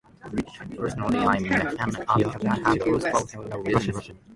Personally, I am a fan of Kazakh cuisine for several reasons.